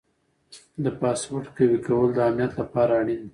د پاسورډ قوي کول د امنیت لپاره اړین دي.